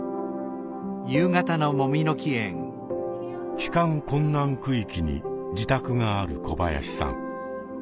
帰還困難区域に自宅がある小林さん。